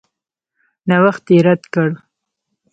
نوښت یې رد کړ.